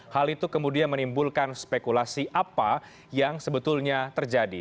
hal itu kemudian menimbulkan spekulasi apa yang sebetulnya terjadi